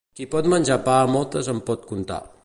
Qui pot menjar pa moltes en pot contar.